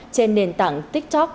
trên nền tảng tiktok